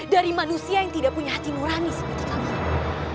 dari manusia yang tidak punya hati nurani seperti kalian